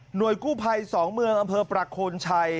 หน่วยกู้ภัยสองเมืองอำเภอปรากฏชัย